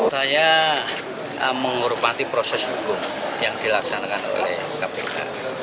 saya menghormati proses hukum yang dilaksanakan oleh kpk